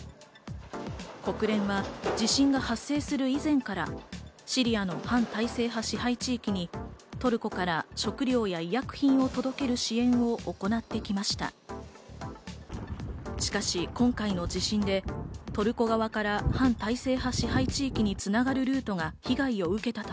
国連は地震が発生する以前から、シリアの反体制派支配地域にトルコから食料や医薬品を届ける支援を行ってきました。